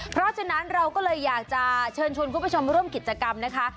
เพราะฉะนั้นเราก็เลยอยากจะเชิญชวนคุณผู้ชมร่วมกิจกรรมนะคะ